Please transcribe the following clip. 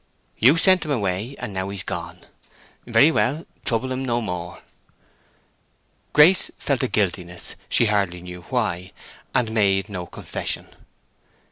You sent him away; and now he's gone. Very well; trouble him no more." Grace felt a guiltiness—she hardly knew why—and made no confession.